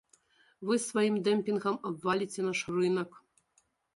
Вы сваім дэмпінгам абваліце наш рынак.